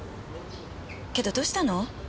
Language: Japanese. けどどうしたの？